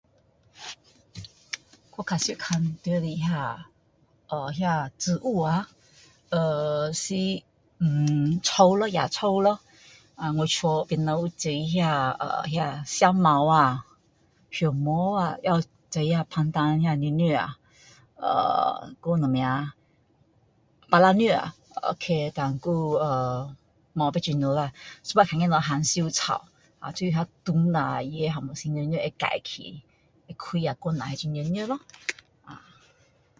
我较常看到的那，那植物啊，是【mu】草咯，野草咯，我家旁边种那香茅啊，香茅啊，也有种那斑兰叶叶，啊，还有什么，班兰叶啊，ok，但还有【er】那一种了咯，一半下会看到那含羞草，就是那碰下它会突然间叶叶会盖起，开下关下那种叶叶咯